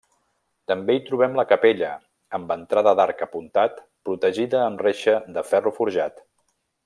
També hi trobem la capella, amb entrada d’arc apuntat protegida amb reixa de ferro forjat.